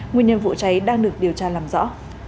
nguyên nhân vụ cháy đang được điều tra làm rõ